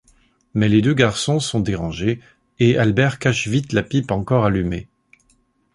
Mais les deux garçons sont dérangés et Albert cache vite la pipe encore allumée.